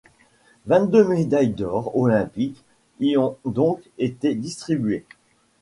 Vingt-deux médailles d'or olympiques y ont donc été distribuées.